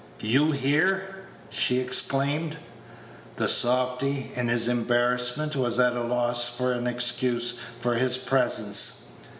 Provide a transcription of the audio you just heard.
"You here!" she exclaimed. The softy, in his embarrassment, was at a loss for an excuse for his presence.